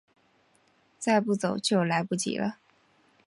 再不走就来不及了